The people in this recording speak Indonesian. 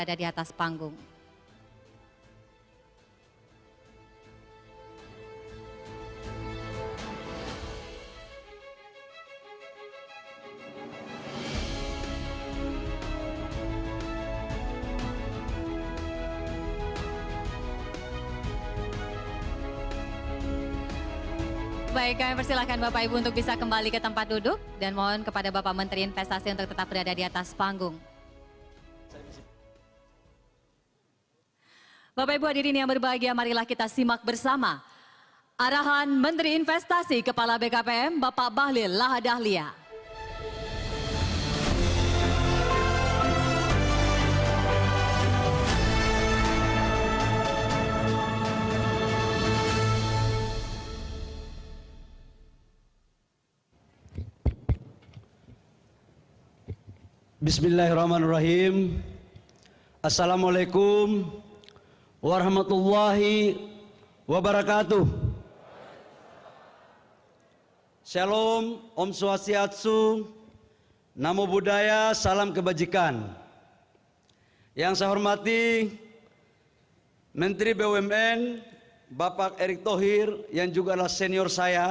kita akan berfoto bersama terlebih dahulu